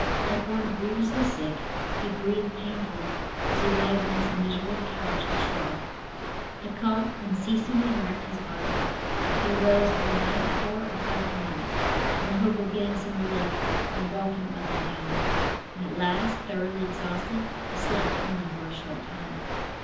Like one grievously sick he breathed painfully as he lay on his miserable couch of straw. A cough unceasingly racked his body. He arose every night four or five times, in the hope of getting some relief by walking up and down. When at last thoroughly exhausted he slept only for a short time.